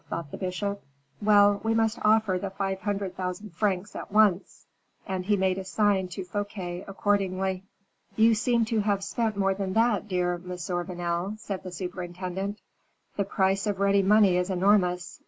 thought the bishop, "well, we must offer the five hundred thousand francs at once," and he made a sign to Fouquet accordingly. "You seem to have spent more than that, dear Monsieur Vanel," said the superintendent. "The price of ready money is enormous.